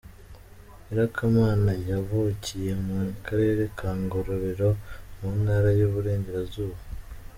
Nyirakamana yavukiye mu Karere ka Ngororero mu ntara y’Uburengerazuba.